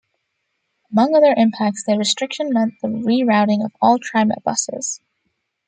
Among other impacts, the restriction meant the rerouting of all TriMet buses.